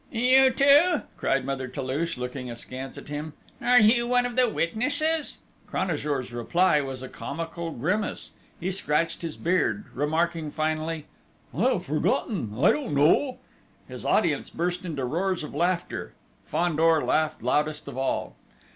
"You, too?" cried Mother Toulouche, looking askance at him. "Are you one of the witnesses?" Cranajour's reply was a comical grimace. He scratched his beard, remarking finally: "I have forgotten! I don't know!" His audience burst into roars of laughter: Fandor laughed loudest of all!